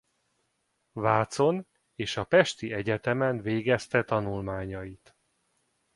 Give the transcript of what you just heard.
Vácon és a pesti egyetemen végezte tanulmányait.